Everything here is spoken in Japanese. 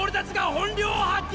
本領発揮⁉